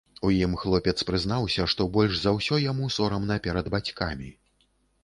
У ім хлопец прызнаўся, што больш за ўсё яму сорамна перад бацькамі.